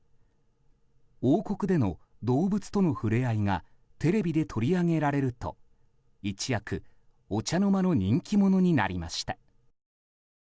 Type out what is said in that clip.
王国での動物との触れ合いがテレビで取り上げられると一躍、お茶の間の人気者になりました。